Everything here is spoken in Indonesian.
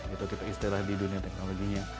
itu kita istilah di dunia teknologinya